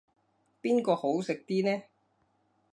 邊個好食啲呢